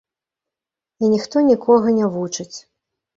І ніхто нікога не вучыць.